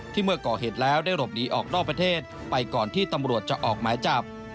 เมื่อก่อเหตุแล้วได้หลบหนีออกนอกประเทศไปก่อนที่ตำรวจจะออกหมายจับ